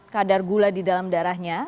kadar gula di dalam darahnya